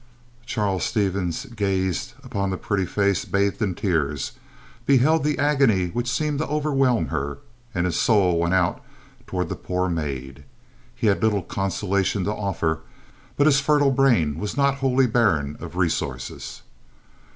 Charles Stevens gazed upon the pretty face bathed in tears, beheld the agony which seemed to overwhelm her, and his soul went out toward the poor maid. He had little consolation to offer; but his fertile brain was not wholly barren of resources.